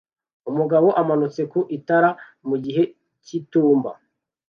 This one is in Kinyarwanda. Umugabo umanitse ku itara mu gihe cy'itumba